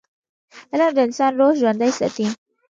علم د انسان روح ژوندي ساتي.